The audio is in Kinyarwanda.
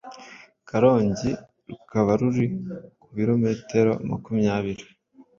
Karongi rukaba ruri ku birometero makumyabiri